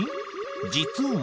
［実は］